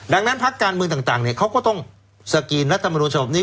ดังนั้นพักการเมืองต่างต่างเนี้ยเขาก็ต้องสกรีนรัฐบาลมนุษย์เฉพาะนี้